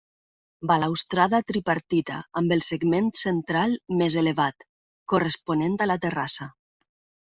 Balustrada tripartida amb el segment central més elevat, corresponent a la terrassa.